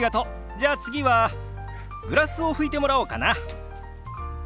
じゃあ次はグラスを拭いてもらおうかな。